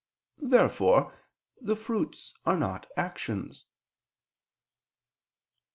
Therefore the fruits are not actions.